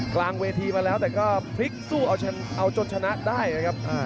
กลางเวทีมาแล้วแต่ก็พลิกสู้เอาจนชนะได้นะครับ